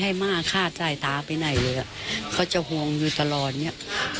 อยู่ตลอดอย่างนี้